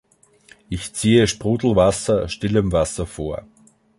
Ich ziehe Sprudelwasser stillem Wasser vor.